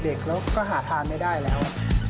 เด็กแล้วก็หาทานไม่ได้แล้ว